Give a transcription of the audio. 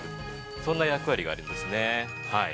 そんな役割がありますね。